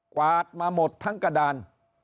วาดมาหมดทั้งกระดาน